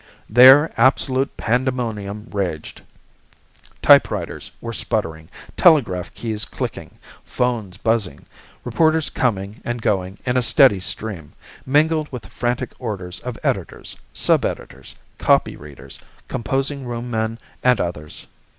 There absolute pandemonium raged. Typewriters were sputtering, telegraph keys clicking, phones buzzing, reporters coming and going in a steady stream, mingled with the frantic orders of editors, sub editors, copy readers, composing room men and others.